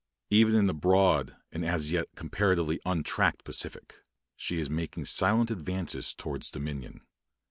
Even in the broad, and as yet comparatively untracked Pacific, she is making silent advances towards dominion.